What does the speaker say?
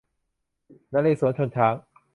นเรศวร์ชนช้าง